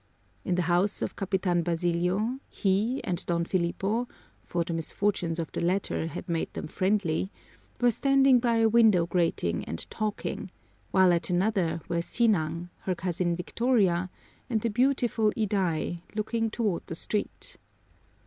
In the house of Capitan Basilio, he and Don Filipo for the misfortunes of the latter had made them friendly were standing by a window grating and talking, while at another were Sinang, her cousin Victoria, and the beautiful Iday, looking toward the street.